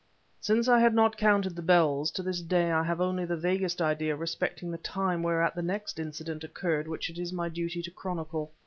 Since I had not counted the bells, to this day I have only the vaguest idea respecting the time whereat the next incident occurred which it is my duty to chronicle.